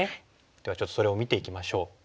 ではちょっとそれを見ていきましょう。